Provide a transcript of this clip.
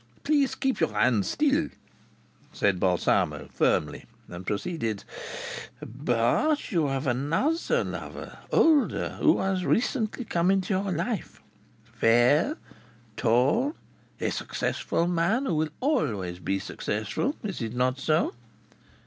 "Please keep your hands still," said Balsamo, firmly, and proceeded: "But you have another lover, older, who has recently come into your life. Fair, tall. A successful man who will always be successful. Is it not so?"